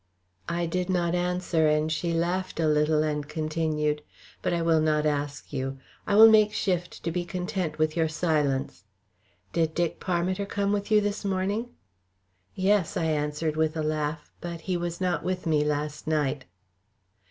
I did not answer and she laughed a little and continued, "But I will not ask you. I will make shift to be content with your silence. Did Dick Parmiter come with you this morning?" "Yes," I answered with a laugh, "but he was not with me last night."